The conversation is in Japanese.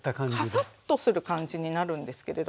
カサッとする感じになるんですけれども。